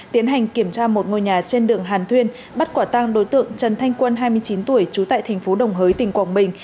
tiến hành kiểm tra một ngôi nhà trên đường hàn thuyên bắt quả tang đối tượng trần thanh quân hai mươi chín tuổi trú tại thành phố đồng hới tỉnh quảng bình